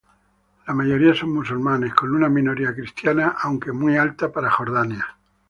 La mayoría son musulmanes, con una minoría cristiana, aunque muy alta para Jordania.